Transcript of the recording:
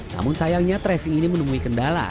namun sayangnya tracing ini menemui kendala